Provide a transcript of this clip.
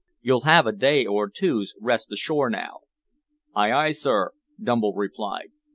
You'll have a day or two's rest ashore now." "Aye, aye, sir!" Dumble replied.